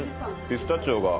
ピスタチオが。